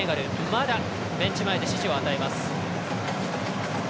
まだベンチ前で指示を与えます。